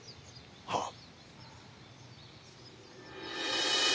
はっ。